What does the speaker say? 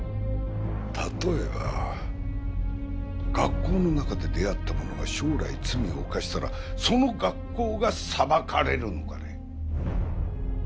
例えば学校の中で出会った者が将来罪を犯したらその学校が裁かれるのかね？